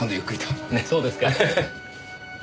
そうですか。